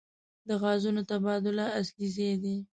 د غازونو تبادله اصلي ځای دی.